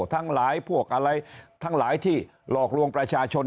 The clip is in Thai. ทั้งหลายที่หลอกลวงประชาชน